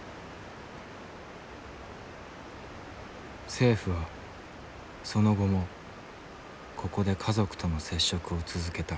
政府はその後もここで家族との接触を続けた。